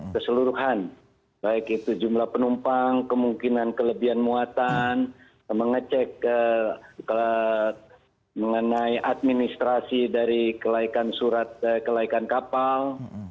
keseluruhan baik itu jumlah penumpang kemungkinan kelebihan muatan mengecek mengenai administrasi dari kelaikan kapal